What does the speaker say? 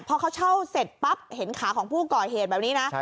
พอเขาเช่าเสร็จปั๊บเห็นขาของผู้ก่อเหตุแบบนี้นะ